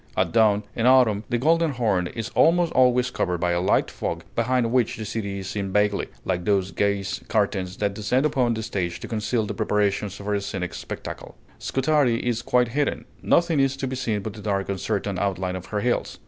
At dawn, in autumn, the Golden Horn is almost always covered by a light fog, behind which the city is seen vaguely, like those gauze curtains that descend upon the stage to conceal the preparations for a scenic spectacle. Scutari is quite hidden; nothing is to be seen but the dark uncertain outline of her hills.